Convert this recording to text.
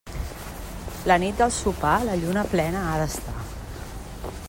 La nit del Sopar, la lluna plena ha d'estar.